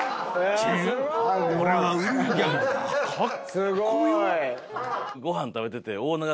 すごい。